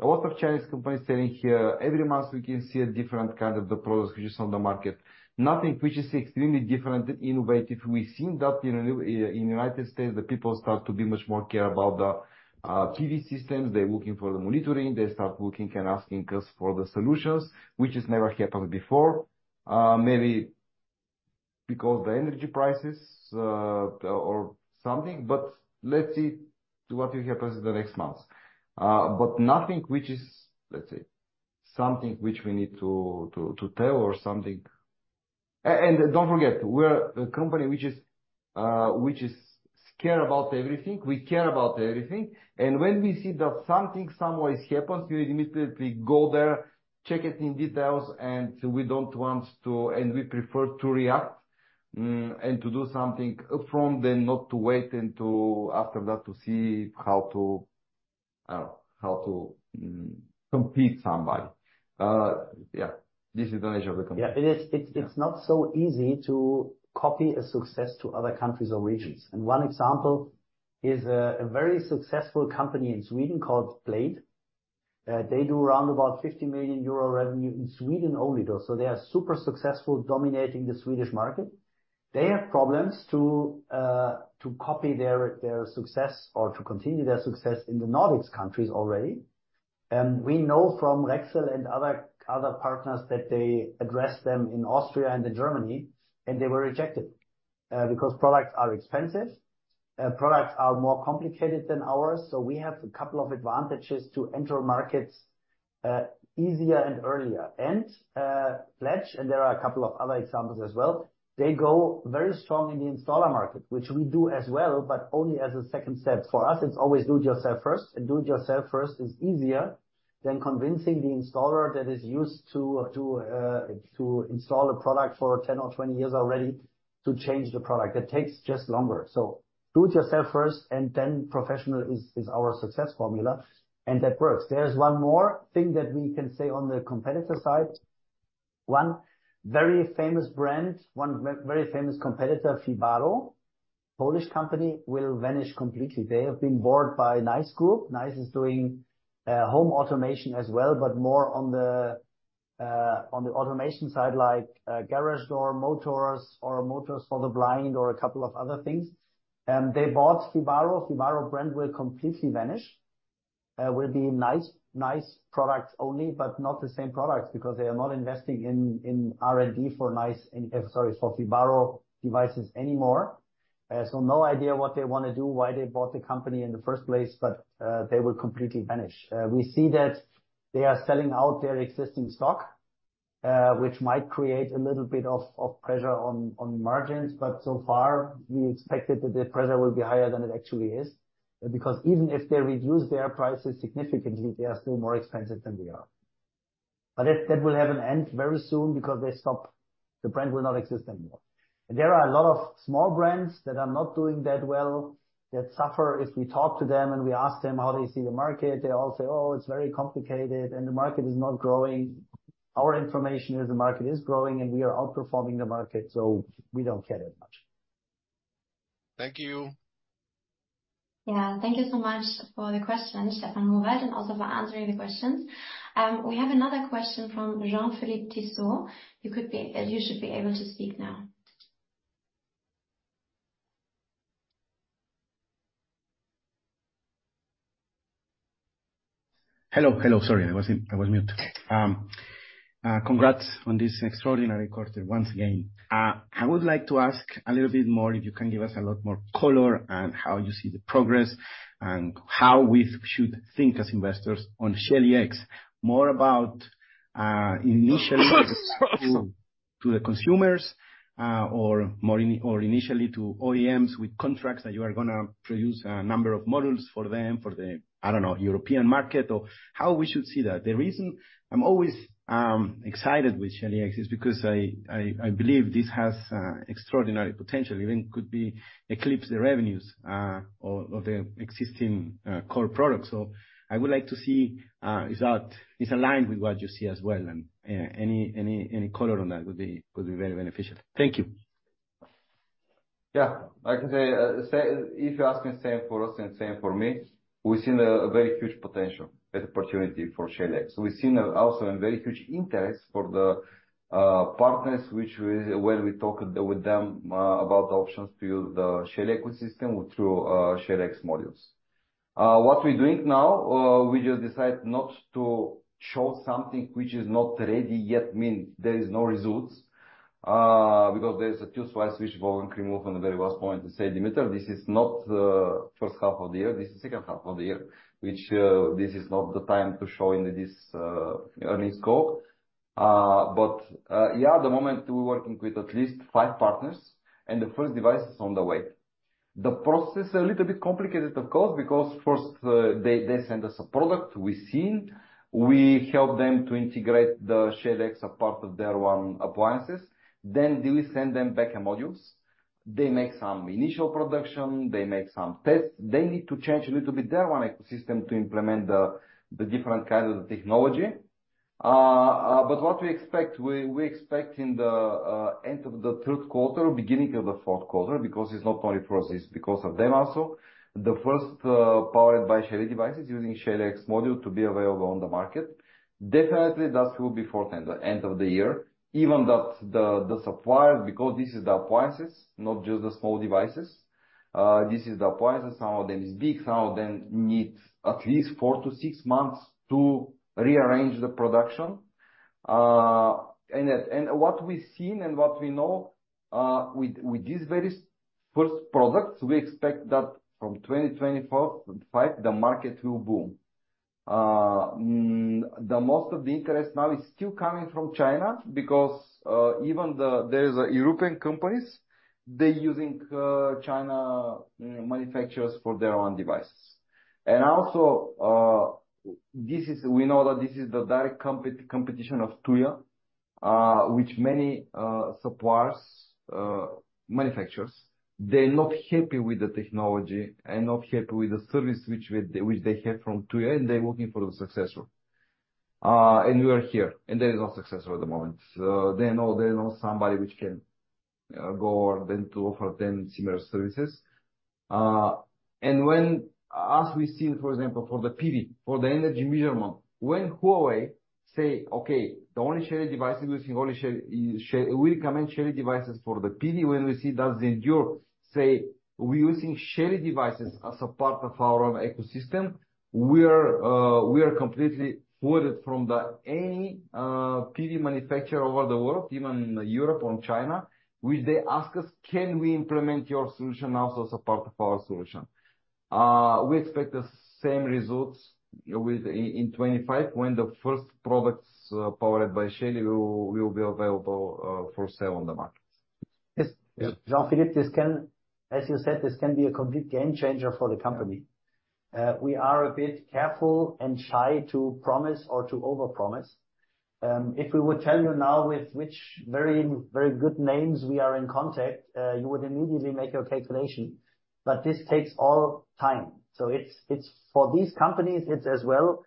A lot of Chinese companies selling here. Every month, we can see a different kind of the products which is on the market, nothing which is extremely different and innovative. We've seen that in United States, the people start to be much more care about the PV systems. They're looking for the monitoring. They start looking and asking us for the solutions, which has never happened before. Maybe because the energy prices or something, but let's see to what will happens in the next months. But nothing which is, let's say, something which we need to tell or something. And don't forget, we're a company which cares about everything. We care about everything, and when we see that something someplace happens, we immediately go there, check it in detail, and we don't want to and we prefer to react and to do something upfront than not to wait and to, after that, to see how to compete somebody. Yeah, this is the nature of the company. Yeah, it is. It's, it's not so easy to copy a success to other countries or regions. One example is a very successful company in Sweden called Plejd. They do around about 50 million euro revenue in Sweden only, though. So they are super successful, dominating the Swedish market. They have problems to copy their success or to continue their success in the Nordics countries already. We know from Rexel and other partners that they addressed them in Austria and in Germany, and they were rejected because products are expensive, products are more complicated than ours. So we have a couple of advantages to enter markets easier and earlier. Plejd, and there are a couple of other examples as well, they go very strong in the installer market, which we do as well, but only as a second step. For us, it's always do-it-yourself first, and do-it-yourself first is easier than convincing the installer that is used to install a product for 10 or 20 years already, to change the product. That takes just longer. So do-it-yourself first and then professional is our success formula, and that works. There's one more thing that we can say on the competitor side. One very famous brand, one very famous competitor, FIBARO, Polish company, will vanish completely. They have been bought by Nice Group. Nice is doing home automation as well, but more on the automation side, like garage door motors or motors for the blind or a couple of other things. They bought FIBARO. FIBARO brand will completely vanish. Will be Nice, Nice products only, but not the same products, because they are not investing in R&D for Nice, sorry, for FIBARO devices anymore. So no idea what they wanna do, why they bought the company in the first place, but they will completely vanish. We see that they are selling out their existing stock, which might create a little bit of pressure on margins, but so far, we expected that the pressure will be higher than it actually is. Because even if they reduce their prices significantly, they are still more expensive than we are. But that, that will have an end very soon because they stop... The brand will not exist anymore. And there are a lot of small brands that are not doing that well, that suffer. If we talk to them, and we ask them how they see the market, they all say, "Oh, it's very complicated, and the market is not growing." Our information is the market is growing, and we are outperforming the market, so we don't care that much. Thank you. Yeah, thank you so much for the question, Stefan Puwald, and also for answering the questions. We have another question from Jean-Philippe Tissot. You could be, you should be able to speak now. Hello, hello. Sorry, I was in, I was mute. Congrats on this extraordinary quarter once again. I would like to ask a little bit more, if you can give us a lot more color on how you see the progress and how we should think as investors on Shelly X. More about initially to the consumers, or more initially to OEMs with contracts, that you are gonna produce a number of models for them, for the, I don't know, European market, or how we should see that. The reason I'm always excited with Shelly X is because I believe this has extraordinary potential, even could be eclipse the revenues of the existing core product. So I would like to see if that is aligned with what you see as well, and any color on that would be very beneficial. Thank you. Yeah. I can say, say if you're asking the same for us and same for me, we've seen a very huge potential and opportunity for Shelly X. We've seen also a very huge interest for the partners, which, when we talked with them about the options to use the Shelly ecosystem through Shelly X modules. What we're doing now, we just decided not to show something which is not ready yet, means there is no results because there's a two-slice switch volume removed from the very last point to say, Dimitar, this is not the first half of the year, this is second half of the year, which this is not the time to show in this earnings call. But, yeah, at the moment, we're working with at least five partners, and the first device is on the way. The process a little bit complicated, of course, because first, they send us a product, we see it, we help them to integrate the Shelly X as a part of their own appliances, then we send them back a modules. They make some initial production, they make some tests. They need to change a little bit their own ecosystem to implement the different kind of technology. But what we expect, we expect in the end of the third quarter or beginning of the fourth quarter, because it's not only for us, it's because of them also, the first powered by Shelly devices using Shelly X module to be available on the market. Definitely, that will be fourth and the end of the year. Even that the supplier, because this is the appliances, not just the small devices, this is the appliances. Some of them is big, some of them need at least 4-6 months to rearrange the production. And that, and what we've seen and what we know, with these very first products, we expect that from 2024-2025, the market will boom. The most of the interest now is still coming from China because even there's European companies, they're using China manufacturers for their own devices. Also, we know that this is the direct competition of Tuya, which many suppliers, manufacturers, they're not happy with the technology and not happy with the service which they have from Tuya, and they're looking for a successor. And we are here, and there is no successor at the moment. So they know, they know somebody which can go then to offer them similar services. And when, as we've seen, for example, for the PV, for the energy measurement, when Huawei say, "Okay, the only Shelly devices using only Shelly, we recommend Shelly devices for the PV," when we see that Zendure say, "We're using Shelly devices as a part of our own ecosystem," we are, we are completely flooded from the any, PV manufacturer over the world, even Europe or China, which they ask us, "Can we implement your solution also as a part of our solution?" We expect the same results with, in, in 2025, when the first products, powered by Shelly will be available, for sale on the market. Yes. Jean-Philippe, this can, as you said, this can be a complete game changer for the company. We are a bit careful and shy to promise or to overpromise. If we would tell you now with which very, very good names we are in contact, you would immediately make your calculation, but this takes all time. So it's, it's for these companies, it's as well,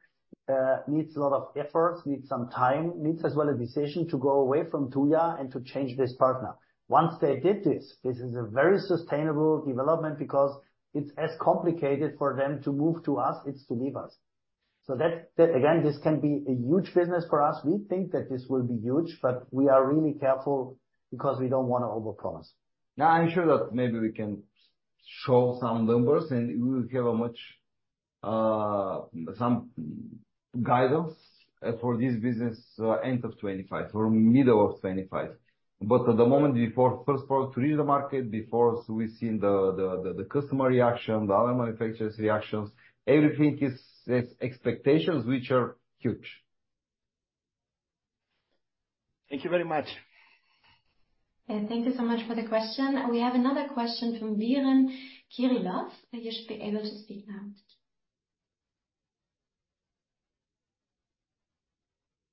needs a lot of efforts, needs some time, needs as well a decision to go away from Tuya and to change this partner. Once they did this, this is a very sustainable development because it's as complicated for them to move to us, it's to leave us. So that's, again, this can be a huge business for us. We think that this will be huge, but we are really careful because we don't want to overpromise. Yeah, I'm sure that maybe we can show some numbers, and we will have a much, some guidance for this business, end of 2025 or middle of 2025. But at the moment, before first product reach the market, before we've seen the customer reaction, the other manufacturers' reactions, everything is expectations, which are huge. Thank you very much. Thank you so much for the question. We have another question from Vihren Kirilov. You should be able to speak now.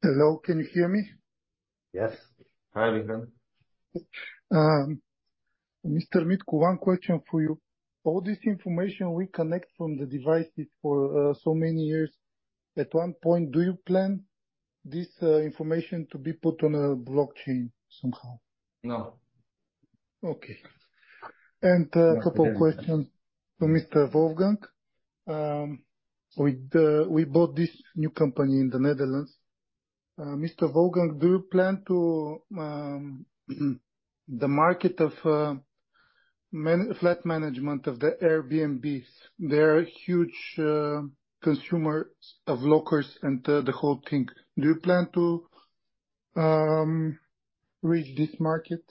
Hello, can you hear me? Yes. Hi, Viren. Mr. Mitko, one question for you. All this information we collect from the devices for so many years, at one point, do you plan this information to be put on a blockchain somehow? No. Okay. A couple of questions for Mr. Wolfgang. We bought this new company in the Netherlands. Mr. Wolfgang, do you plan to, the market of, multi-flat management of the Airbnbs, they're huge consumers of lockers and the, the whole thing. Do you plan to reach this market?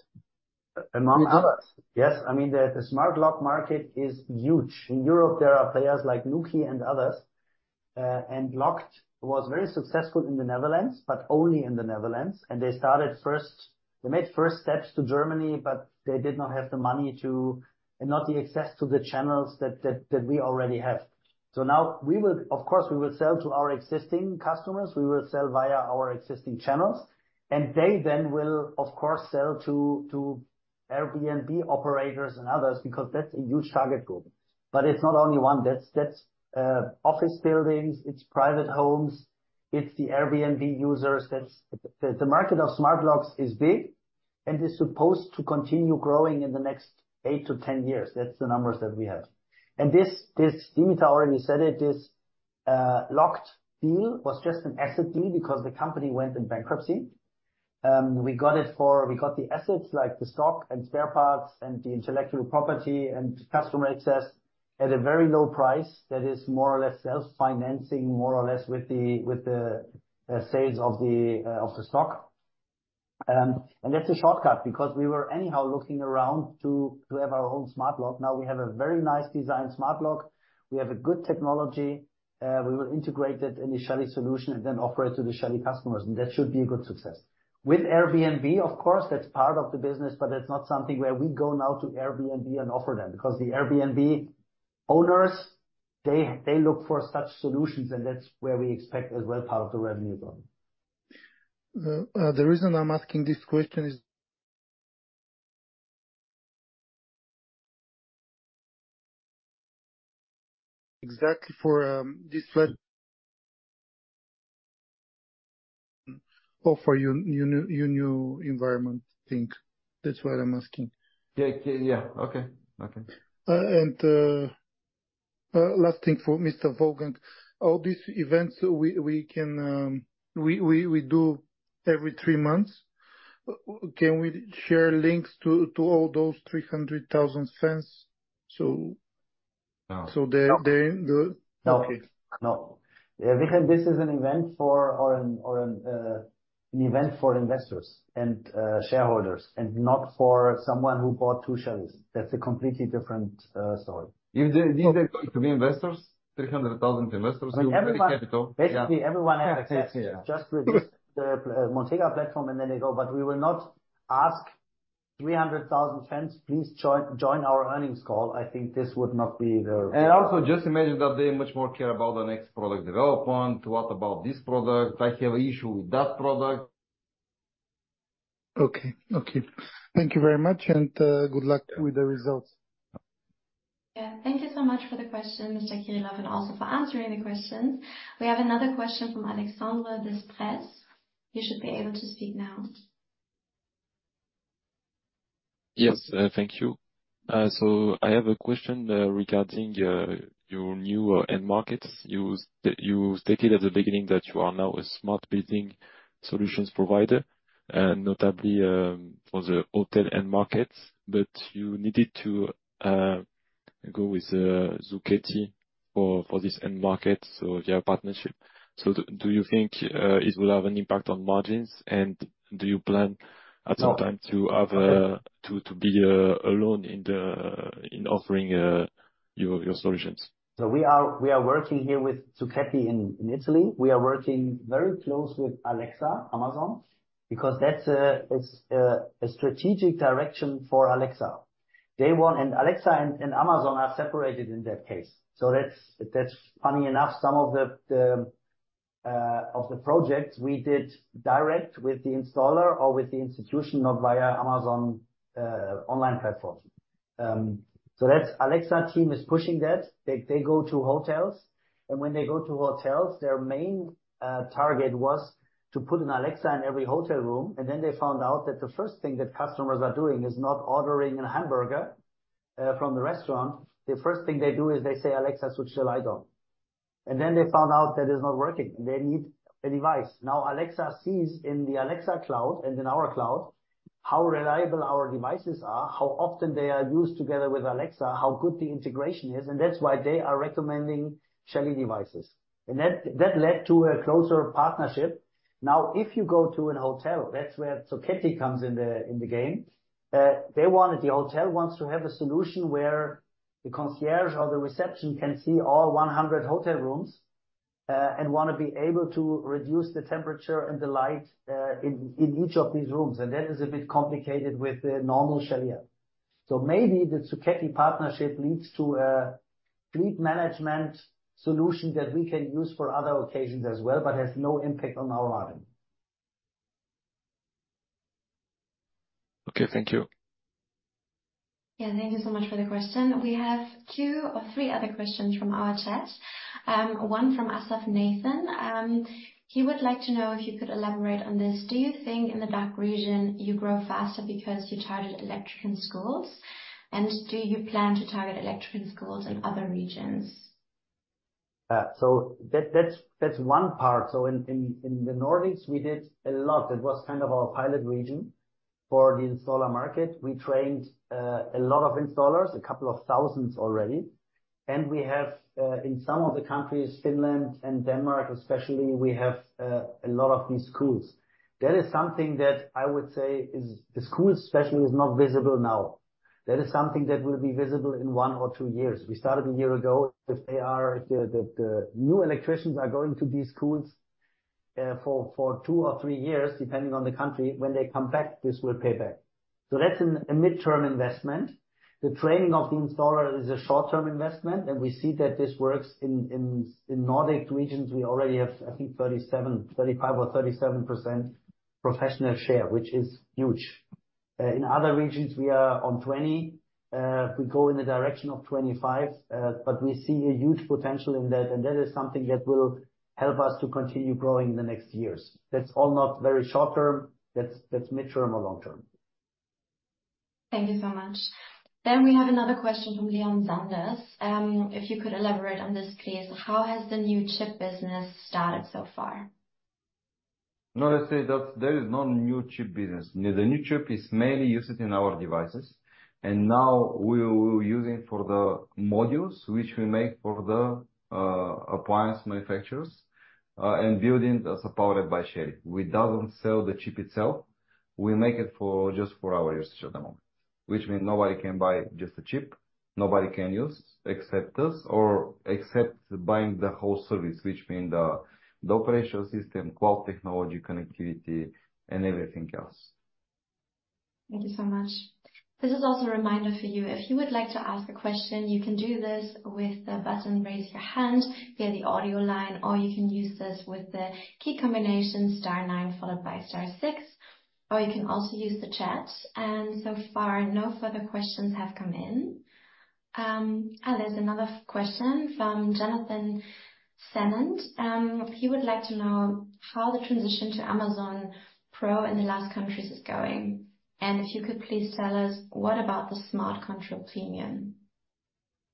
Among others? Yes. I mean, the smart lock market is huge. In Europe, there are players like Nuki and others, and LOQED was very successful in the Netherlands, but only in the Netherlands. And they started first. They made first steps to Germany, but they did not have the money to, and not the access to the channels that we already have. So now we will, of course, we will sell to our existing customers. We will sell via our existing channels, and they then will, of course, sell to Airbnb operators and others because that's a huge target group. But it's not only one. That's office buildings, it's private homes, it's the Airbnb users. That's the market of smart locks is big and is supposed to continue growing in the next 8-10 years. That's the numbers that we have. Dimitar already said it. The LOQED deal was just an asset deal because the company went in bankruptcy. We got the assets like the stock and spare parts and the intellectual property and customer access at a very low price. That is more or less self-financing, more or less, with the sales of the stock. And that's a shortcut because we were anyhow looking around to have our own smart lock. Now we have a very nice design smart lock. We have a good technology. We will integrate it in the Shelly solution and then offer it to the Shelly customers, and that should be a good success. With Airbnb, of course, that's part of the business, but that's not something where we go now to Airbnb and offer them, because the Airbnb owners, they, they look for such solutions, and that's where we expect as well, part of the revenue from. The reason I'm asking this question is... exactly for this one. Or for your new, your new environment thing. That's what I'm asking. Yeah. Yeah. Okay. Okay. And last thing for Mr. Wolfgang: All these events, we can, we do every three months. Can we share links to all those 300,000 fans so we-... So they're in the- No. Okay. No. This is an event for investors and shareholders, and not for someone who bought two Shellys. That's a completely different story. If they, these are going to be investors, 300,000 investors, they will be capital. Basically, everyone has access. Yeah. Just release the Montega platform, and then they go. But we will not ask 300,000 fans, "Please join, join our earnings call." I think this would not be the- Also, just imagine that they much more care about the next product development. What about this product? I have an issue with that product. Okay. Okay. Thank you very much, and good luck with the results. Yeah. Thank you so much for the question, Mr. Kirilov, and also for answering the question. We have another question from Alexandre Destrez. You should be able to speak now. Yes, thank you. So I have a question regarding your new end markets. You stated at the beginning that you are now a smart building solutions provider, and notably, for the hotel end markets, but you needed to go with Zucchetti for this end market, so your partnership. So do you think it will have an impact on margins? And do you plan at some time to have I- to be alone in offering your solutions? So we are working here with Zucchetti in Italy. We are working very close with Alexa, Amazon, because that's a strategic direction for Alexa. They want... And Alexa and Amazon are separated in that case. So that's funny enough. Some of the projects we did direct with the installer or with the institution, not via Amazon online platform. So that's. Alexa team is pushing that. They go to hotels, and when they go to hotels, their main target was to put an Alexa in every hotel room. And then they found out that the first thing that customers are doing is not ordering an hamburger from the restaurant. The first thing they do is they say, "Alexa, switch the light on." And then they found out that it's not working. They need a device. Now, Alexa sees in the Alexa cloud and in our cloud how reliable our devices are, how often they are used together with Alexa, how good the integration is, and that's why they are recommending Shelly devices. And that, that led to a closer partnership. Now, if you go to a hotel, that's where Zucchetti comes in the, in the game. They want the hotel wants to have a solution where the concierge or the reception can see all 100 hotel rooms, and wanna be able to reduce the temperature and the light in each of these rooms. And that is a bit complicated with the normal Shelly App. So maybe the Zucchetti partnership leads to a fleet management solution that we can use for other occasions as well, but has no impact on our margin. Okay, thank you. Yeah, thank you so much for the question. We have two or three other questions from our chat. One from Asaf Nathan. He would like to know if you could elaborate on this. Do you think in the DACH region, you grow faster because you target electrician schools? And do you plan to target electrician schools in other regions? So that's one part. So in the Nordics, we did a lot. It was kind of our pilot region for the installer market. We trained a lot of installers, a couple thousand already. And we have in some of the countries, Finland and Denmark especially, we have a lot of these schools. That is something that I would say is. The schools especially is not visible now. That is something that will be visible in 1 or 2 years. We started a year ago. If the new electricians are going to these schools for 2 or 3 years, depending on the country. When they come back, this will pay back. So that's a midterm investment. The training of the installer is a short-term investment, and we see that this works in Nordic regions. We already have, I think, 37, 35 or 37% professional share, which is huge. In other regions, we are on 20. We go in the direction of 25, but we see a huge potential in that, and that is something that will help us to continue growing in the next years. That's all not very short term. That's midterm or long term. Thank you so much. Then we have another question from Leon Sanders. If you could elaborate on this, please. How has the new chip business started so far? No, let's say that's, there is no new chip business. The new chip is mainly used in our devices, and now we will use it for the modules which we make for the appliance manufacturers, and building that's powered by Shelly. We doesn't sell the chip itself. We make it just for our usage at the moment, which means nobody can buy just a chip. Nobody can use except us or except buying the whole service, which means the operational system, cloud technology, connectivity, and everything else. Thank you so much. This is also a reminder for you. If you would like to ask a question, you can do this with the button, raise your hand via the audio line, or you can use this with the key combination star nine, followed by star six, or you can also use the chat. And so far, no further questions have come in. There's another question from Jonathan Salmon. He would like to know how the transition to Amazon Pro in the last countries is going. And if you could please tell us what about the Smart Control Premium?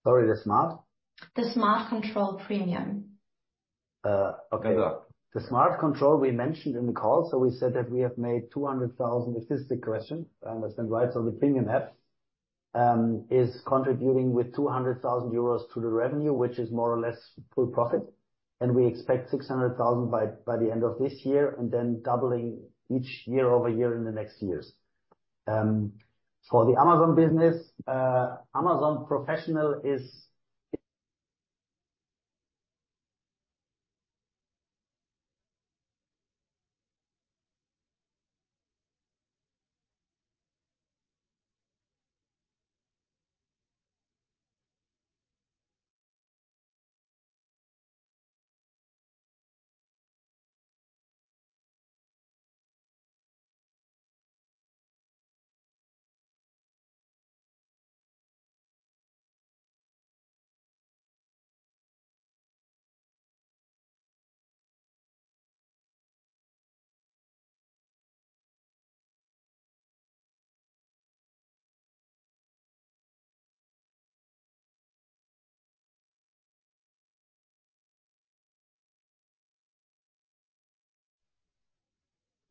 Sorry, the Smart? The Smart Control Premium.... Okay. The smart control we mentioned in the call, so we said that we have made 200,000, if this is the question, that's then right. So the premium app is contributing with 200,000 euros to the revenue, which is more or less full profit, and we expect 600,000 by, by the end of this year, and then doubling each year-over-year in the next years. For the Amazon business, Amazon Professional is-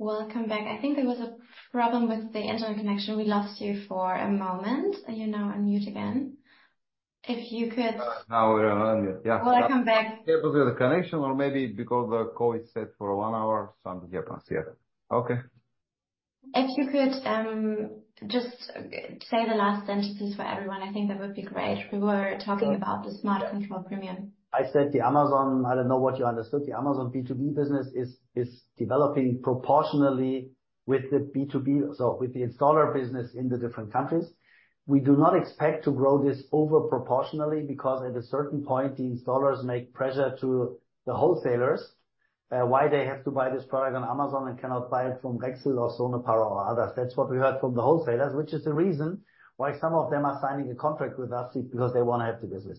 Welcome back. I think there was a problem with the internet connection. We lost you for a moment. You're now on mute again. If you could- Now we're on mute. Yeah. Welcome back. It was with the connection or maybe because the call is set for one hour, so I'm here on here. Okay. If you could, just say the last sentences for everyone, I think that would be great. We were talking about the Smart Control Premium. I said, the Amazon... I don't know what you understood. The Amazon B2B business is, is developing proportionally with the B2B, so with the installer business in the different countries. We do not expect to grow this over proportionally, because at a certain point, the installers make pressure to the wholesalers, why they have to buy this product on Amazon and cannot buy it from Rexel or Sonepar or others. That's what we heard from the wholesalers, which is the reason why some of them are signing a contract with us, because they want to have the business.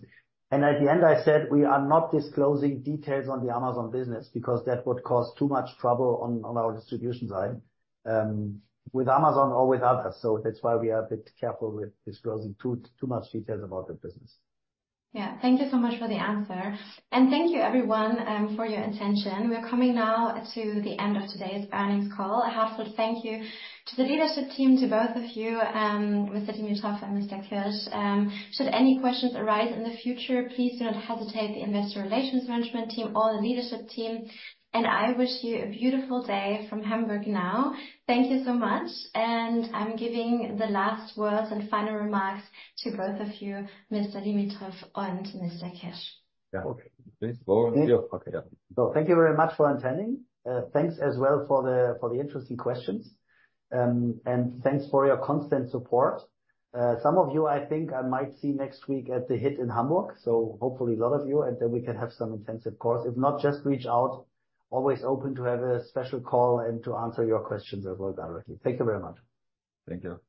And at the end, I said, we are not disclosing details on the Amazon business because that would cause too much trouble on, on our distribution side, with Amazon or with others. So that's why we are a bit careful with disclosing too, too much details about the business. Yeah. Thank you so much for the answer. Thank you everyone, for your attention. We're coming now to the end of today's earnings call. A heartfelt thank you to the leadership team, to both of you, Mr. Dimitrov and Mr. Kirsch. Should any questions arise in the future, please do not hesitate, the investor relations management team or the leadership team. I wish you a beautiful day from Hamburg now. Thank you so much, and I'm giving the last words and final remarks to both of you, Mr. Dimitrov and Mr. Kirsch. Yeah. Okay. Please go. Okay, yeah. So thank you very much for attending. Thanks as well for the, for the interesting questions. And thanks for your constant support. Some of you, I think, I might see next week at the HIT in Hamburg, so hopefully a lot of you, and then we can have some intensive course. If not, just reach out, always open to have a special call and to answer your questions as well directly. Thank you very much. Thank you.